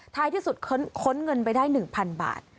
ท้ายที่สุดข้นเขาเงินไปได้หนึ่งพันบาท